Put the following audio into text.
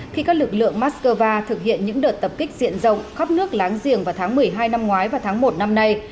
khi các lực lượng moscow thực hiện những đợt tập kích diện rộng khắp nước láng giềng vào tháng một mươi hai năm ngoái và tháng một năm nay